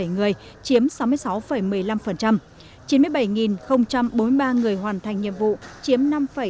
chín mươi bảy bốn mươi ba người hoàn thành xuất sắc nhiệm vụ nhưng còn hạn chế về năng lực chiếm năm mươi bảy